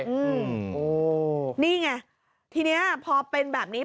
อืมโอ้นี่ไงทีเนี้ยพอเป็นแบบนี้